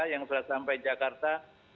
yang sudah sampai jakarta